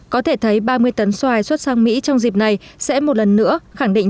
có thể thấy ba mươi tấn xoài xuất sang mỹ trong dịp này sẽ một lần nữa khẳng định